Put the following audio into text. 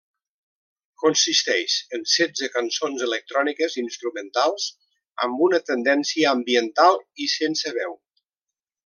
Consisteix en setze cançons electròniques instrumentals amb una tendència ambiental i sense veu.